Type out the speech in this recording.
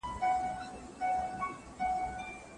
بحث ئې مخکي تير سوی دی.